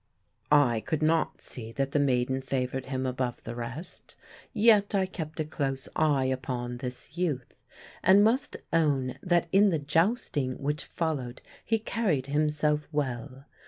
I could not see that the maiden favoured him above the rest, yet I kept a close eye upon this youth, and must own that in the jousting which followed he carried himself well.